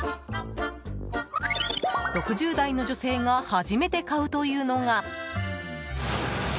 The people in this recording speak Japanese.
６０代の女性が初めて買うというのが。